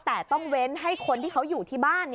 แต่ต้องเว้นให้คนที่เขาอยู่ที่บ้าน